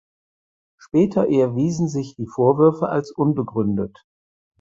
Später erwiesen sich die Vorwürfe als unbegründet.